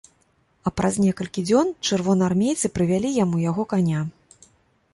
А праз некалькі дзён чырвонаармейцы прывялі яму яго каня.